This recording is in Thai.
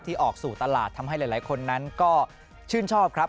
ออกสู่ตลาดทำให้หลายคนนั้นก็ชื่นชอบครับ